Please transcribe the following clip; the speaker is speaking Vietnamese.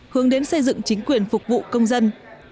hướng đến xây dựng chính quyền phục vụ công dân